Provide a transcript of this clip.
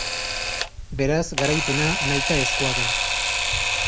Beraz, garaipena nahitaezkoa da.